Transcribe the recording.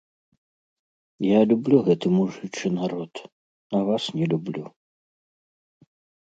Я люблю гэты мужычы народ, а вас не люблю.